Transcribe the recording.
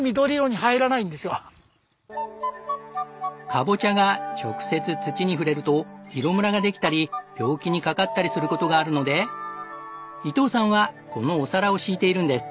カボチャが直接土に触れると色むらができたり病気にかかったりする事があるので伊藤さんはこのお皿を敷いているんです。